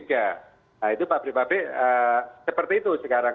nah itu pabrik pabrik seperti itu sekarang